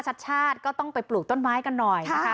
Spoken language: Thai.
ชัดชาติก็ต้องไปปลูกต้นไม้กันหน่อยนะคะ